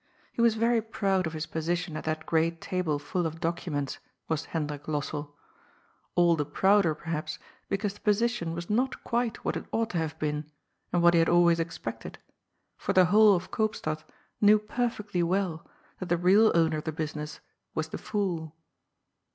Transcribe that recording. He was very proud of his position at that great table full of documents, was Hendrik Lossell. All the prouder, perhaps, because the position was not quite what it ought to have been and what he had always expected, for the whole of Koopstad knew perfectly well that the real owner of the business was the fool.